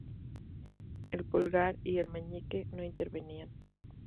El pulgar y el meñique no intervenían.